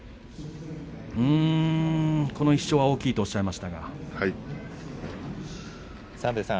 この１勝は大きいとおっしゃいましたね、間垣さん。